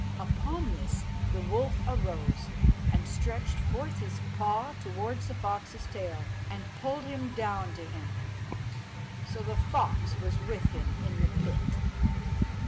Upon this the wolf arose, and stretched forth his paw towards the fox's tail, and pulled him down to him; so the fox was with him in the pit.